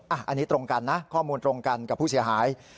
อันนี้ตรงกันนะข้อมูลตรงกันกับผู้เสียหาย